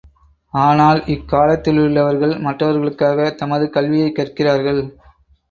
ஆனால், இக்காலத்திலுள்ளவர்கள் மற்றவர்களுக்காக தமது கல்வியைக் கற்கிறார்கள்!